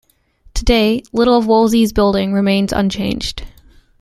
Today, little of Wolsey's building work remains unchanged.